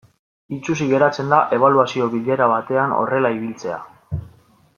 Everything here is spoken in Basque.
Itsusi geratzen da ebaluazio bilera batean horrela ibiltzea.